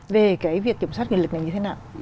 về cái việc kiểm soát quyền lực này như thế nào